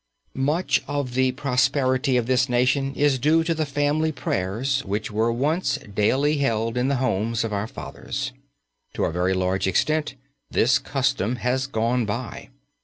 Much of the prosperity of this nation is due to the family prayers which were once daily held in the homes of our fathers. To a very large extent this custom has gone by.